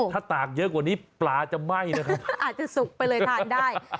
ถ้าตากเยอะกว่านี้ปลาจะไหม้นะครับอาจจะสุกไปเลยทานได้